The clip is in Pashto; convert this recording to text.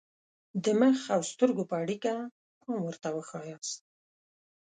د مخ او سترګو په اړیکه پام ورته وښایاست.